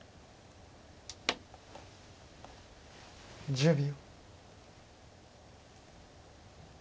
１０秒。